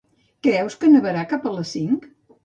Creus que nevarà cap a les cinc?